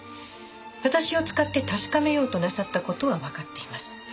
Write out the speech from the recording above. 私を使って確かめようとなさった事はわかっています。